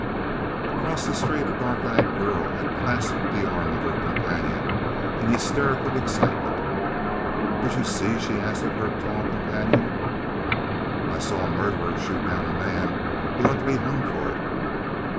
Across the street a dark eyed girl had clasped the arm of her companion in hysterical excitement. "Did you see?" she asked of her tall companion. "I saw a murderer shoot down a man; he ought to be hung for it!"